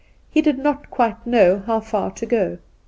He did not quite know how far to go.